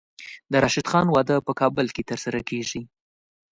د راشد خان واده په کابل کې ترسره کیږي.